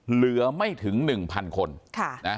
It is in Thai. เหลือไม่ถึงหนึ่งพันคนค่ะนะ